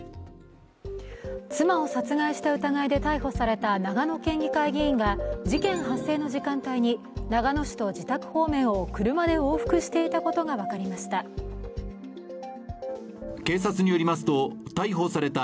妻を殺害した疑いで逮捕された長野県議会議員が事件発生の時間帯に長野市と自宅方面を車で往復していたことが分かりました。